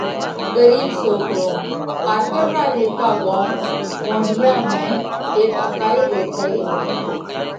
ڳرِيٻ سوڪرو: پارڪر را هيڪا ڳوم (وونڍِيا) ۾ هيڪ اڪائِي ريتئِي۔